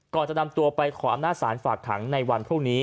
จะนำตัวไปขออำนาจศาลฝากขังในวันพรุ่งนี้